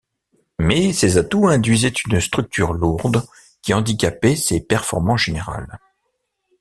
Mais ces atouts induisaient une structure lourde qui handicapait ses performances générales.